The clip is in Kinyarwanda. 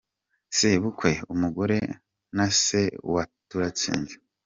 Sebukwe, umugore, na Se wa Turatsinze